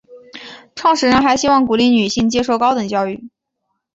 创始人还希望鼓励女性接受高等教育。